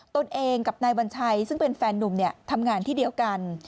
ตนเองกับนายวัญชัยซึ่งเป็นแฟนนุ่มทำงานที่เดียวกัน